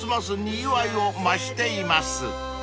にぎわいを増しています］